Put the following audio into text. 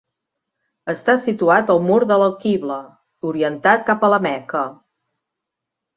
Està situat al mur de l'alquibla, orientat cap a la Meca.